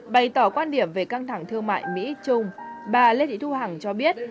bày tỏ quan điểm về căng thẳng thương mại mỹ trung bà lê thị thu hằng cho biết